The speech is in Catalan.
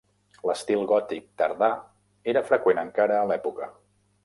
L'estil gòtic tardà era freqüent encara a l'època.